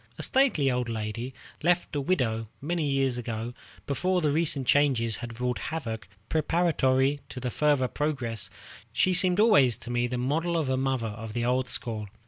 A stately old lady, left a widow many years ago, before the recent changes had wrought havoc preparatory to further progress, she seemed always to me the model of a mother of the old school.